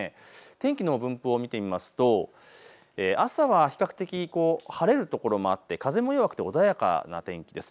天気の分布を見てみますと朝は比較的晴れるところもあって風も弱くて穏やかな天気です。